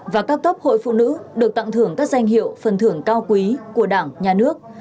và các cấp hội phụ nữ được tặng thưởng các danh hiệu phần thưởng cao quý của đảng nhà nước